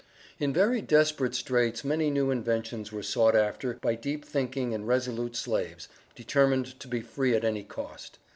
In very desperate straits many new inventions were sought after by deep thinking and resolute slaves, determined to be free at any cost.